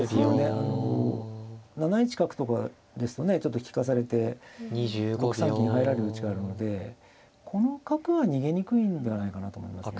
あの７一角とかですとねちょっと利かされて６三金入られる余地があるのでこの角は逃げにくいんではないかなと思いますね。